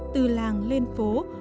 từ làng lên phố